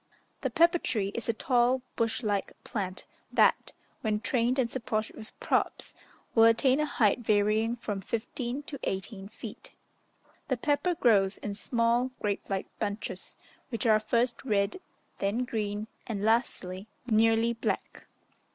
The pepper tree is a tall bush like plant, that, when trained and supported with props, will attain a height varying from fifteen to eighteen feet. The pepper grows in small, grape like bunches, which are first red, then green, and lastly, nearly black.